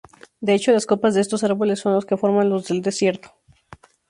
De hecho, las copas de estos árboles son los que forman los del Desierto.